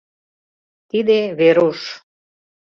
Тиде — Веруш.